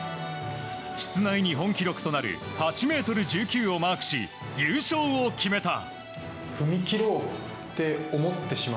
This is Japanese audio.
室内日本記録となる８ｍ１９をマークし、優勝を決めた。